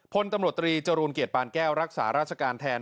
พลตำรวจตรีจรูลเกียรติปานแก้วรักษาราชการแทน